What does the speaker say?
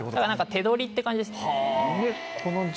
手取りって感じですね。